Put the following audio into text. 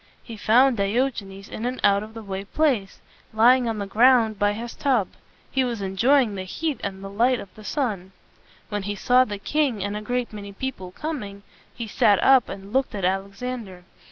He found Diogenes in an out of the way place, lying on the ground by his tub. He was en joy ing the heat and the light of the sun. When he saw the king and a great many people coming, he sat up and looked at Alexander.